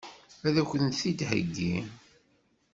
Ad k-tent-id-theggi?